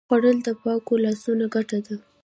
خوړل د پاکو لاسونو ګټه ده